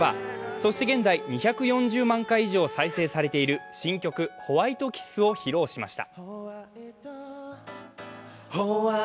そして現在２４０万回以上再生されている新曲「ホワイトキス」を披露しました。